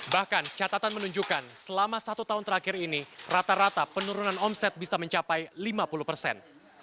bahkan catatan menunjukkan selama satu tahun terakhir ini rata rata penurunan omset bisa mencapai lima puluh persen